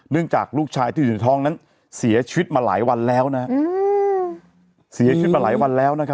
เนื่องจากลูกชายที่อยู่ในท้องนั้นเสียชีวิตมาหลายวันแล้วนะฮะ